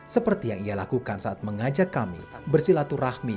seperti yang ia lakukan saat mengajak kami bersilaturahmi